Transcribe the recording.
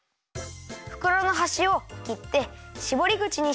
ふくろのはしをきってしぼりぐちにします。